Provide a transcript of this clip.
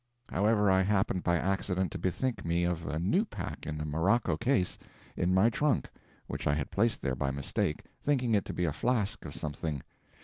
However, I happened by accident to bethink me of a new pack in a morocco case, in my trunk, which I had placed there by mistake, thinking it to be a flask of something.